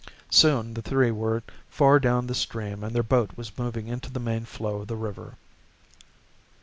Soon the three were far down the stream and their boat was moving into the main flow of the river.